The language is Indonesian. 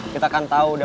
kita kan tau deh